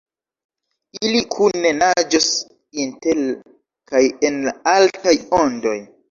Ili kune naĝos, inter kaj en la altaj ondoj.